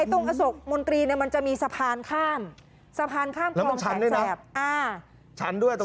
ไอ้ตรงอโศกมนตรีเนี่ยมันจะมีสะพานข้ามสะพานข้ามคลองแสนแสบแล้วมันชั้นด้วยนะอ่า